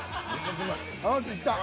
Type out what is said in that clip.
よしいった。